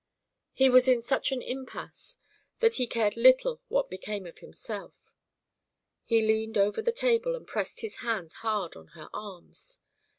He was in such an impasse that he cared little what became of himself. He leaned over the table and pressed his hands hard on her arms.